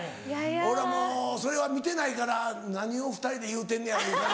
俺はもうそれは見てないから何を２人で言うてんねやろいう感じ。